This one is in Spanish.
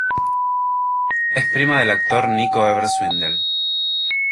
Es prima del actor Nico Evers-Swindell.